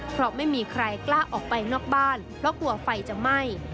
เพราะไม่มีใครกล้าออกไปนอกบ้านเพราะกลัวไฟจะไหม้